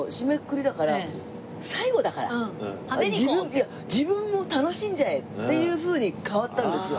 いや自分も楽しんじゃえっていうふうに変わったんですよ。